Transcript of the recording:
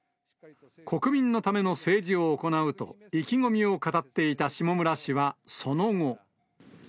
国民のための政治を行うと、意気込みを語っていた下村氏はその後。